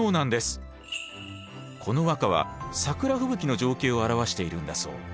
この和歌は桜吹雪の情景を表しているんだそう。